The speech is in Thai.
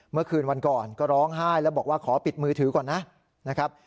เมื่อคืนวันก่อนก็ร้องไห้แล้วบอกว่าขอปิดมือถือก่อนนะครับ